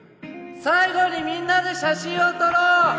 最後にみんなで写真を撮ろう